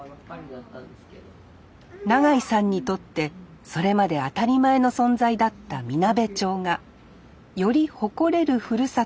永井さんにとってそれまで当たり前の存在だったみなべ町がより誇れるふるさとに変わっていきました